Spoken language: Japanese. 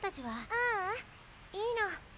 ううんいいの。